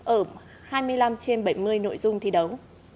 ở hai mươi năm trên bảy mươi nội dung thi đấu